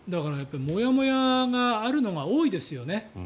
もやもやがあるのが多いですよね。